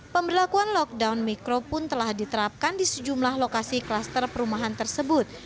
pemberlakuan lockdown mikro pun telah diterapkan di sejumlah lokasi kluster perumahan tersebut